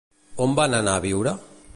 On van anar a viure?